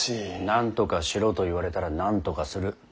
なんとかしろと言われたらなんとかする。